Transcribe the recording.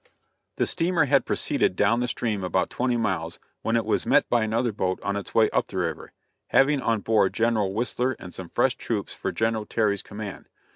The steamer had proceeded down the stream about twenty miles when it was met by another boat on its way up the river, having on board General Whistler and some fresh troops for General Terry's command.